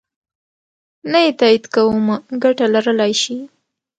نه یې تایید کومه ګټه لرلای شي.